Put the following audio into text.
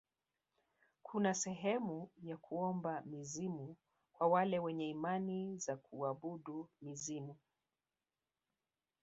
kuna sehemu ya kuomba mizimu kwa wale wenye imani za kuabudu mizimu